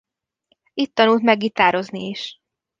Itt tanult meg gitározni is.